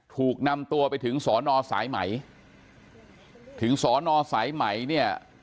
ถูกนำตัวไปถึงสอนอสายไหมถึงสอนอสายไหมเนี่ย